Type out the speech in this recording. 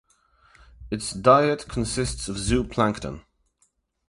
Its diet consist of zooplankton.